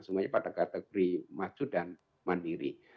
semuanya pada kategori maju dan mandiri